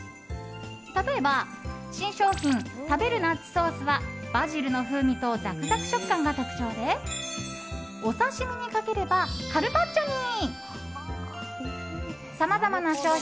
例えば、新商品食べるナッツソースはバジルの風味とザクザク食感が特徴でお刺し身にかければカルパッチョに。